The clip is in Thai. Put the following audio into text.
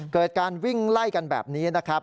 เกิดการวิ่งไล่กันแบบนี้นะครับ